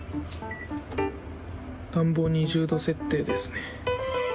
暖房２０度設定ですね。